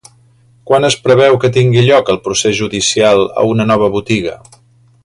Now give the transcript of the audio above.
Quan es preveu que tingui lloc el procés judicial a una nova botiga?